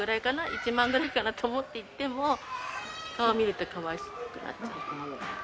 １万ぐらいかなと思って行っても、顔見るとかわいくなっちゃって。